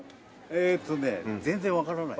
えとね全然わからない。